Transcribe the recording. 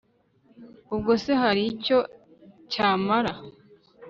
Ubwo se hari icyo cyamara